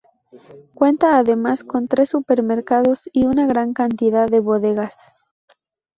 Cuenta además con tres supermercados y una gran cantidad de bodegas.